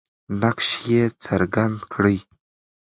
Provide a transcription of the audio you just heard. نقش یې څرګند دی.